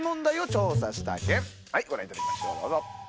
ご覧いただきましょうどうぞ。